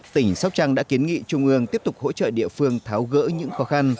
tỉnh sóc trăng đã kiến nghị trung ương tiếp tục hỗ trợ địa phương tháo gỡ những khó khăn